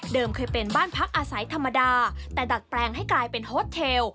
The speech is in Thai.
เคยเป็นบ้านพักอาศัยธรรมดาแต่ดัดแปลงให้กลายเป็นโฮสเทล